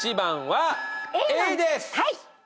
はい！